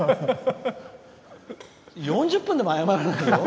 ４０分でも謝らないよ。